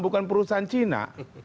bukan perusahaan china